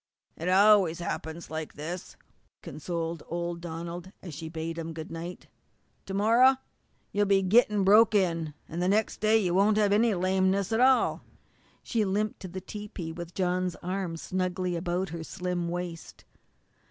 "It always happens like this," consoled old Donald, as she bade him good night. "To morrow you'll begin gettin' broke in, an' the next day you won't have any lameness at all." She limped to the tepee with John's arm snugly about her slim waist.